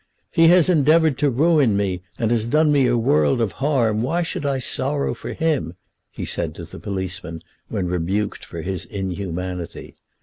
"He has endeavoured to ruin me, and has done me a world of harm. Why should I sorrow for him?" he said to the policeman when rebuked for his inhumanity.